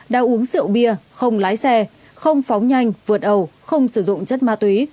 đã uống rượu bia không lái xe không phóng nhanh vượt ẩu không sử dụng chất ma túy